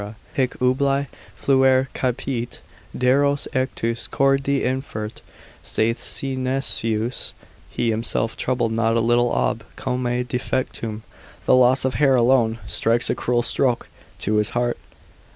hic ubi fluere caepit, diros ictus cordi infert, saith Synesius, he himself troubled not a little ob comae defectum, the loss of hair alone, strikes a cruel stroke to the heart.